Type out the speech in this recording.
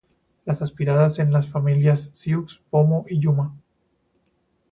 Las aspiradas en las familias siux, pomo y yuma.